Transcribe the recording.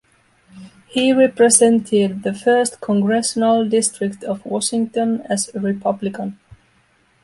He represented the First Congressional District of Washington as a Republican.